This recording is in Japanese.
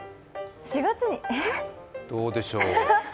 どうでしょう？